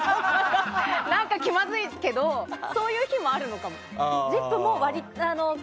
何か気まずいけどそういう日もあるのかも。